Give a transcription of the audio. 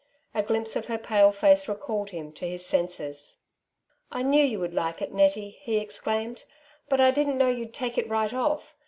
A glimpse of her pale face recalled him to. his senses. " I knew you would like it, Nettie," he exclaimed, *' but I didn^t know you'd take it right off.